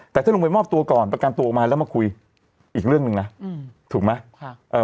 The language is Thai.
แต่ถ้าลงไปมอบตัวก่อนประกันตัวออกมาแล้วมาคุยอีกเรื่องหนึ่งนะถูกไหม